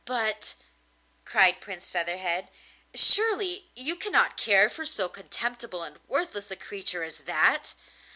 'But,' cried Prince Featherhead, 'surely you cannot care for so contemptible and worthless a creature as that.